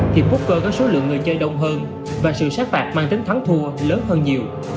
hiệp booker có số lượng người chơi đông hơn và sự sát bạc mang tính thắng thua lớn hơn nhiều